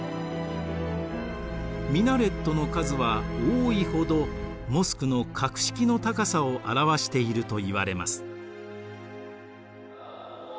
ミナレットの数は多いほどモスクの格式の高さを表しているといわれます。